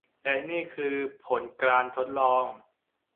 และนี่คือผลการทดลอง